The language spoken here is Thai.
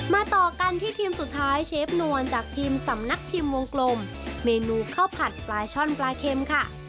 ต่อกันที่ทีมสุดท้ายเชฟนวลจากทีมสำนักพิมพ์วงกลมเมนูข้าวผัดปลาช่อนปลาเค็มค่ะ